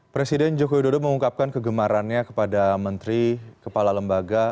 presiden jokowi dodo mengungkapkan kegemarannya kepada menteri kepala lembaga